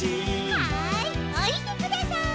はいおりてください。